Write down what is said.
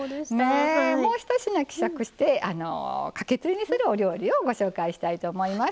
もう一品希釈してかけつゆにするお料理をご紹介したいと思います。